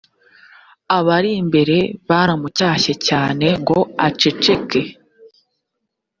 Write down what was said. abarimbere baramucyashye cyane ngo aceceke.